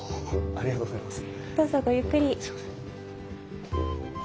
ありがとうございます。